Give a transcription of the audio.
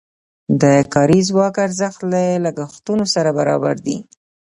د کاري ځواک ارزښت له لګښتونو سره برابر دی.